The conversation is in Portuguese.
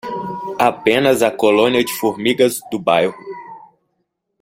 Apenas a colônia de formigas do bairro.